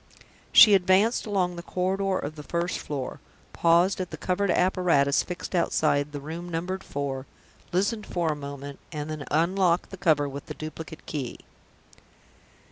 She advanced along the corridor of the first floor paused at the covered apparatus fixed outside the room numbered Four listened for a moment and then unlocked the cover with the duplicate key.